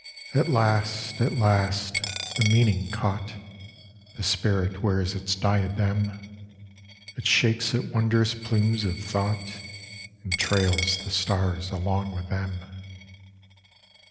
At last, at last, the meaning caught The spirit 'wears its diadem ;// shakes its wondrous plumes of thought And trails the stars along with them.